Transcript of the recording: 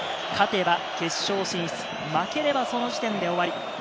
勝てば決勝進出、負ければ、その時点で終わり。